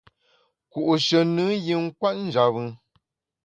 Ku’she nùn yin kwet njap bùn.